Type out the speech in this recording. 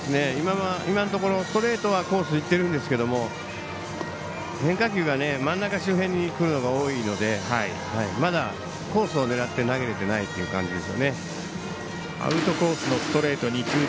今のところストレートはコースにいっていますが変化球が真ん中周辺に来るのが多いのでまだコースを狙って投げられていない感じです。